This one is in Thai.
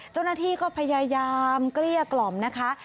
เจ้าหน้าที่ก็พยายามเกลี้ยกล่อมนะคะ